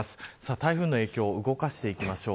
台風の影響動かしていきましょう。